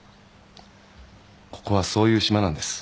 ここはそういう島なんです。